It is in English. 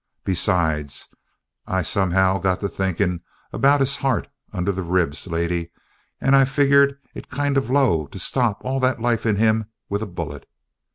Besides, I somehow got to thinking about his heart under the ribs, lady, and I figured it kind of low to stop all the life in him with a bullet.